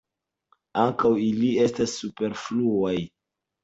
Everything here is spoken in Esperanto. Ankaŭ ili estas superfluaj.